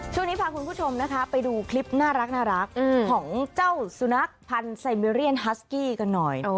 ช่วงนี้พาคุณผู้ชมนะคะไปดูคลิปน่ารักของเจ้าสุนัขพันธ์ไซเมเรียนฮัสกี้กันหน่อย